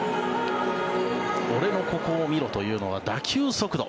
俺のここを見ろ！というのは打球速度。